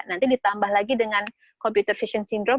nanti ditambah lagi dengan computer fashion syndrome